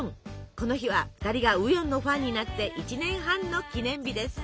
この日は２人がウヨンのファンになって１年半の記念日です。